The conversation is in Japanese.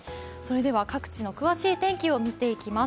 各地の詳しい天気を見ていきます。